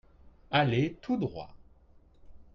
Allez tout droit.